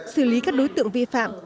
xử lý các đối tượng vi phạm